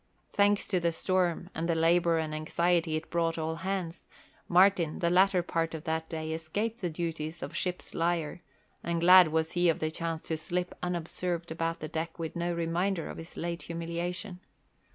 Thanks to the storm, and the labour and anxiety it brought all hands, Martin, the latter part of that day, escaped the duties of ship's liar, and glad was he of the chance to slip unobserved about the deck with no reminder of his late humiliation.